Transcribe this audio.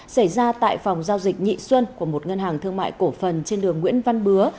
xảy ra tại phòng giao dịch nhị xuân của một ngân hàng thương mại cổ phần trên đường nguyễn văn bứa